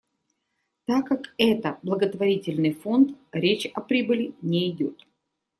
Так как это благотворительный фонд, речь о прибыли не идёт.